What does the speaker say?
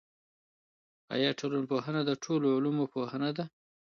آیا ټولنپوهنه د ټولو علومو پوهنه ده؟